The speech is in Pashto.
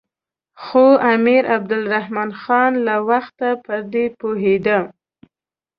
خو امیر عبدالرحمن خان له وخته پر دې پوهېده.